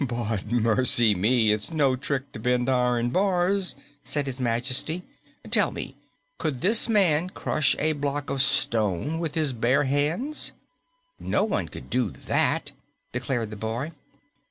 "But mercy me, it's no trick to bend iron bars," said His Majesty. "Tell me, could this man crush a block of stone with his bare hands?" "No one could do that," declared the boy.